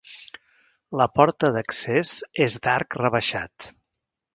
La porta d'accés és d'arc rebaixat.